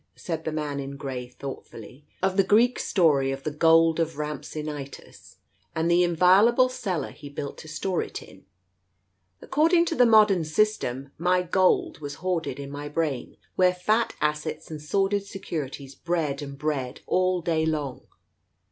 " said the" man in grey thought fully, "of the Greek story of the Gold of Rhampsinitos, and the inviolable cellar he built to store it in ? Accord ing to the modern system, my gold was hoarded in my brain, where fat assets and sordid securities bred and bred all day long.